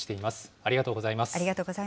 ありがとうございます。